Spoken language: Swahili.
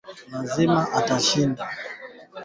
Demokrasia ya Jamuhuri ya Demokrasia ya Kongo yatoa ushahidi